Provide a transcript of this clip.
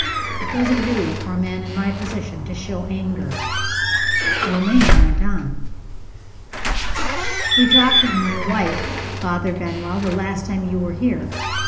It doesn't do for a man in my position to show anger. Romayne went on. "We talked of my wife, Father Benwell, the last time you were here.